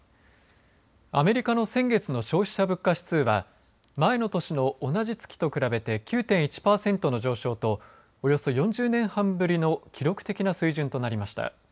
アメリカの先月の消費者物価指数は前の年の同じ月と比べて９．１パーセントの上昇とおよそ４０年半ぶりの記録的な水準となりました。